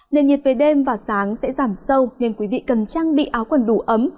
nền nhiệt về đêm và sáng sẽ giảm sâu nên quý vị cần trang bị áo quần đủ ấm